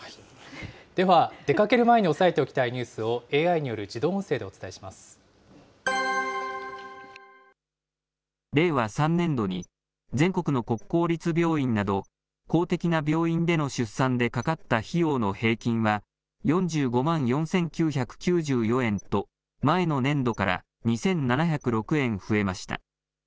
では出かける前に押さえておきたいニュースをＡＩによる自動音声令和３年度に、全国の国公立病院など、公的な病院での出産でかかった費用の平均は４５万４９９４円と、前の年度から２７０６円増えました。